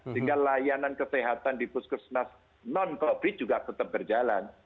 sehingga layanan kesehatan di puskesmas non covid juga tetap berjalan